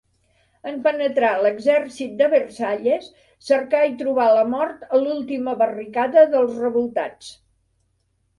En penetrar l'Exèrcit de Versalles, cercà i trobà la mort a l'última barricada dels revoltats.